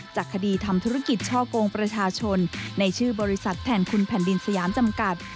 จากคดีทำธุรกิจช่อกงประชาชนในชื่อบริษัทแทนคุณแผ่นดินสยามจำกัด